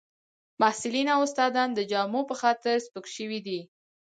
محصلین او استادان د جامو په خاطر سپک شوي دي